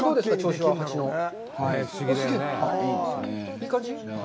いい感じ？